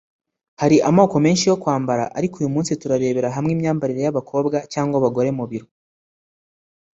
Hari amoko menshi yo kwambara ariko uyu munsi turarebera hamwe imyambarire y’abakobwa cyangwa abagore mu biro